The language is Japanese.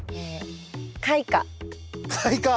開花？